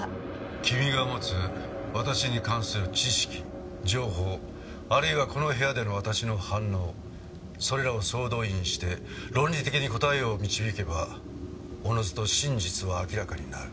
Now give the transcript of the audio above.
君が持つ私に関する知識情報あるいはこの部屋での私の反応それらを総動員して論理的に答えを導けばおのずと真実は明らかになる。